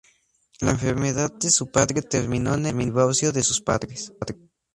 La enfermedad de su padre terminó en el divorcio de sus padres.